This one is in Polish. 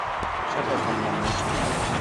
"Czekaj pan na mnie."